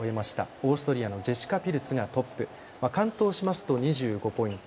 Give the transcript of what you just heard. オーストリアのジェシカ・ピルツがトップ完登しますと２５ポイント